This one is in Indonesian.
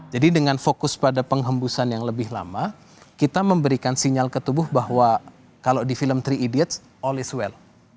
dengan fokus pada penghembusan yang lebih lama kita memberikan sinyal ke tubuh bahwa kalau di film tiga idiots all is well